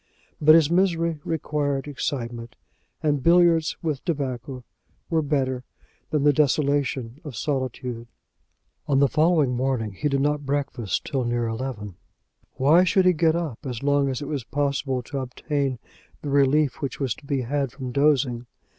But his misery required excitement, and billiards with tobacco were better than the desolation of solitude. On the following morning he did not breakfast till near eleven. Why should he get up as long as it was possible to obtain the relief which was to be had from dozing?